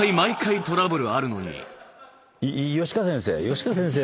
吉川先生。